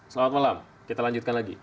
selamat malam kita lanjutkan lagi